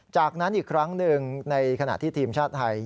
จากนั้นอีกครั้งหนึ่งในขณะที่ทีมชาติไทย